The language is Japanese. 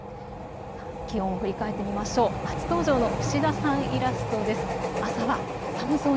気温を振り返ってみましょう。